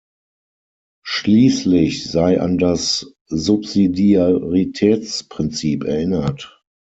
Schließlich sei an das Subsidiaritätsprinzip erinnert.